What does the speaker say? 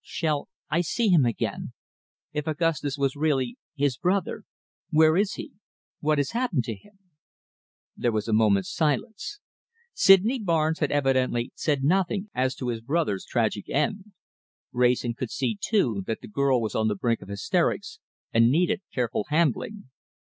"Shall I see him again? If Augustus was really his brother where is he? What has happened to him?" There was a moment's silence. Sydney Barnes had evidently said nothing as to his brother's tragic end. Wrayson could see, too, that the girl was on the brink of hysterics, and needed careful handling.